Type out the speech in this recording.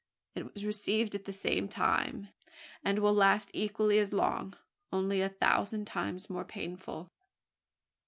It was received at the same time; and will last equally as long only a thousand times more painful."